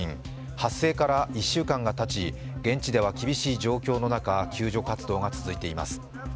発生から１週間がたち、現地では厳しい状況の中救助活動が続いています。